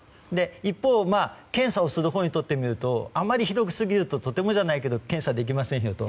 一方検査をするほうにしてみるとあまり広げすぎるととてもじゃないけれど検査できませんよと。